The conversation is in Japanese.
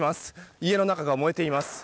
家の中が燃えています。